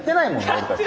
俺たち。